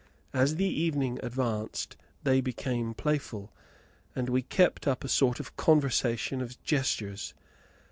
As the evening advanced they became playful, and we kept up a sort of conversation of gestures.